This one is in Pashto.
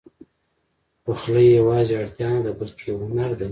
پخلی یواځې اړتیا نه ده، بلکې یو هنر دی.